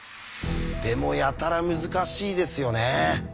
でもやたら難しいですよね。